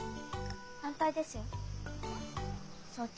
反対ですよ。はっ？